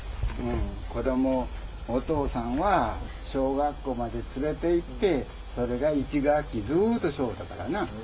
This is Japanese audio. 子ども、お父さんは小学校まで連れていって、それが１学期ずっとそうだったからな。